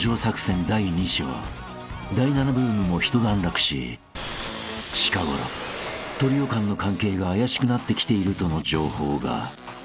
［第７ブームもひと段落し近頃トリオ間の関係が怪しくなってきているとの情報が］